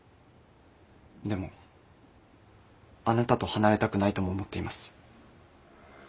でもあなたと離れたくないとも思っています。